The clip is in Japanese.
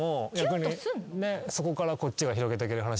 そこからこっちが広げていける話もあるし。